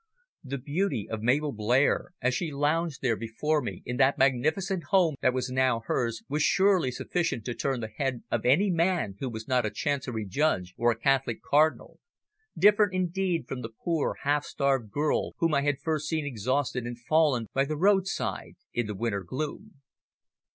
The beauty of Mabel Blair, as she lounged there before me in that magnificent home that was now hers, was surely sufficient to turn the head of any man who was not a Chancery Judge or a Catholic Cardinal different indeed from the poor, half starved girl whom I had first seen exhausted and fallen by the roadside in the winter gloom.